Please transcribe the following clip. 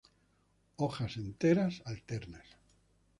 Hojas enteras, alternas.